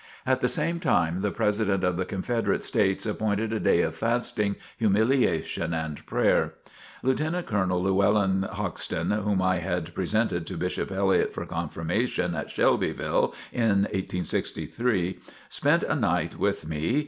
At the same time the President of the Confederate States appointed a day of fasting, humiliation and prayer. Lieutenant Colonel Llewellyn Hoxton, whom I had presented to Bishop Elliott for confirmation at Shelbyville in 1863, spent a night with me.